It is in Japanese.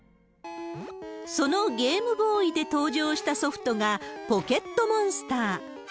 そのゲームボーイで登場したソフトがポケットモンスター。